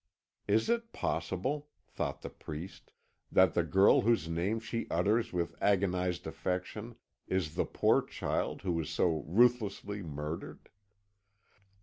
"Is it possible," thought the priest, "that the girl whose name she utters with agonised affection is the poor child who was so ruthlessly murdered?"